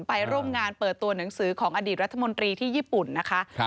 ไปร่วมงานเปิดตัวหนังสือของอดีตรัฐมนตรีที่ญี่ปุ่นนะคะ